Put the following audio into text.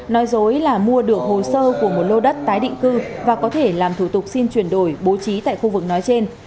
nói dối là mua được hồ sơ của một lô đất tái định cư và có thể làm thủ tục xin chuyển đổi bố trí tại khu vực nói trên